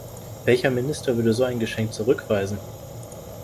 Welcher Minister würde so ein Geschenk zurückweisen?